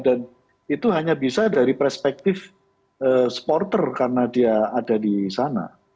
dan itu hanya bisa dari perspektif supporter karena dia ada di sana